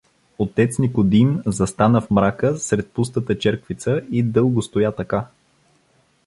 Отец Никодим застана в мрака сред пустата черквица и дълго стоя така.